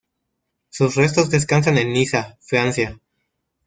Sus restos descansan en Niza, Francia.